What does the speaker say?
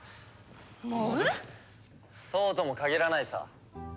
そうとも限らないさ。